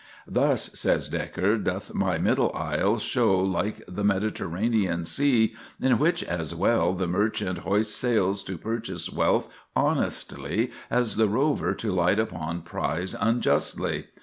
"Thus," says Dekker, "doth my middle aisle show like the Mediterranean Sea, in which as well the merchant hoists sails to purchase wealth honestly as the rover to light upon prize unjustly.